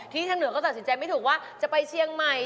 ทางเหนือก็ตัดสินใจไม่ถูกว่าจะไปเชียงใหม่